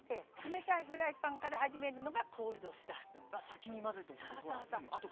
先に混ぜとくと。